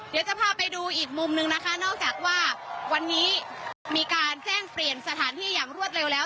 เดี๋ยวจะพาไปดูอีกมุมนึงนะคะนอกจากว่าวันนี้มีการแจ้งเปลี่ยนสถานที่อย่างรวดเร็วแล้ว